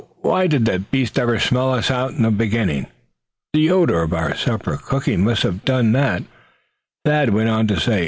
why did the beast ever smell us out in the beginning?" "Oh! the odor of our supper cooking must have done that," Thad went on to say.